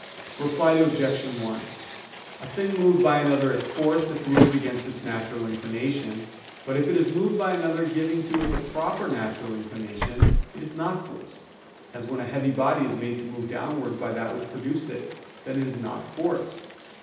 Reply Obj. 1: A thing moved by another is forced if moved against its natural inclination; but if it is moved by another giving to it the proper natural inclination, it is not forced; as when a heavy body is made to move downwards by that which produced it, then it is not forced.